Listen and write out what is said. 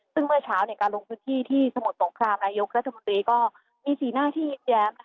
ซึ่งเมื่อเช้าการลงพื้นที่ที่สมุทรสงครามนายกรัฐมนตรีก็มีสีหน้าที่ยิ้มแย้ม